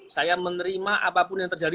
saya menerima apapun yang terjadi